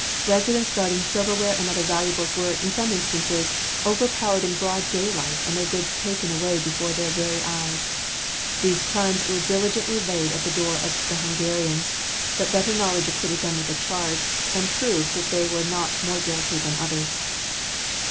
Residents guarding silverware and other valuables were, in some instances, overpowered in broad daylight and their goods taken away from before their eyes. These crimes were diligently laid at the door of the Hungarians, but better knowledge acquitted them of the charge and proved that they were not more guilty than others.